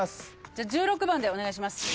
１６番でお願いします。